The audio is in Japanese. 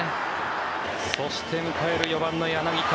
そして迎える４番の柳田。